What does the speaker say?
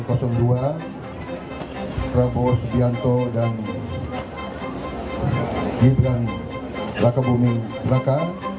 prabowo subianto dan jibran laka bumi laka